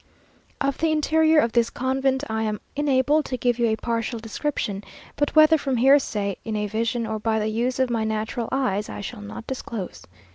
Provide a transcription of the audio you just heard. Of the interior of this convent I am enabled to give you a partial description, but whether from hearsay, in a vision, or by the use of my natural eyes, I shall not disclose.